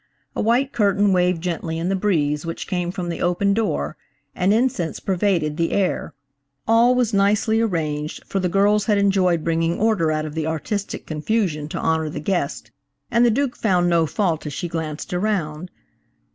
A white curtain waved gently in the breeze which came from the open door, and incense pervaded the air. All was nicely arranged, for the girls had enjoyed bringing order out of the artistic confusion to honor the guest, and the Duke found no fault as she glanced around.